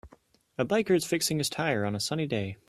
A biker is fixing his tire on a sunny day